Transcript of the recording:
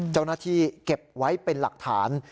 เจ้าหน้าที่เก็บไว้เป็นหลักฐาน